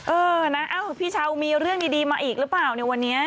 เออนะพี่เช้ามีเรื่องดีมาอีกหรือเปล่าในวันนี้